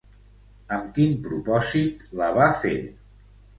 Amb quin propòsit la va fer?